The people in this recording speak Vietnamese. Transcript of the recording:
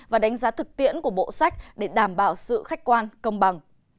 và đánh giá thực tiễn của bộ sách để đảm bảo sự khách quan công bằng